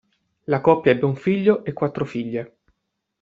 La coppia ebbe un figlio e quattro figlie.